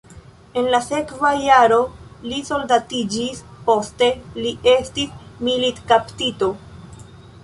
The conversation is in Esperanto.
En la sekva jaro li soldatiĝis, poste li estis militkaptito.